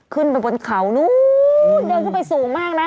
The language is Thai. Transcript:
ขึ้นไปบนเขานู้นเดินขึ้นไปสูงมากนะ